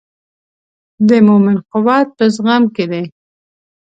د مؤمن قوت په زغم کې دی.